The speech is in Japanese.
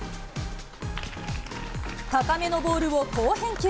高めのボールを好返球。